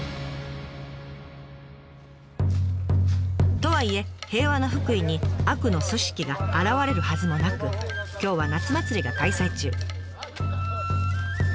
とはいえ平和な福井に悪の組織が現れるはずもなく今日は夏祭りが開催中。